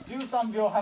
１３秒８。